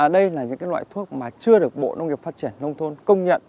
đây là những loại thuốc mà chưa được bộ nông nghiệp phát triển nông thôn công nhận